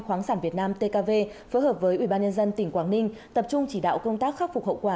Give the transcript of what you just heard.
khoáng sản việt nam tkv phối hợp với ubnd tỉnh quảng ninh tập trung chỉ đạo công tác khắc phục hậu quả